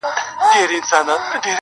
دا د باروتو د اورونو کیسې؛